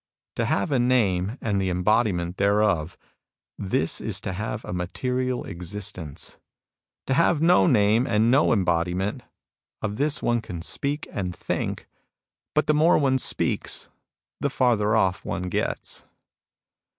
To have a name and the embodiment thereof, — this is to have a material existence. To have no name and no embodiment, — of this one can speak and think ; but the more one speaks the farther off one gets.